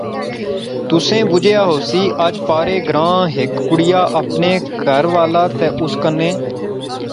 تسیں بجیا ہوسی اج پارے گراں ہیک کڑیا اپنا کہھر والا تے اس کنے